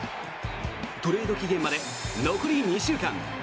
トレード期限まで残り２週間。